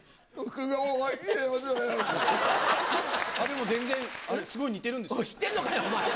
でも全然、すごい似てるんで知ってんのかよ、お前。